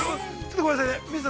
◆ごめんなさい。